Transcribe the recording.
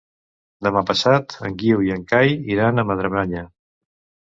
Demà passat en Guiu i en Cai iran a Madremanya.